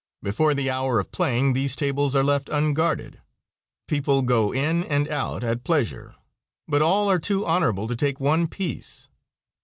Before the hour of playing these tables are left unguarded; people go in and out at pleasure, but all are too honorable to take one piece.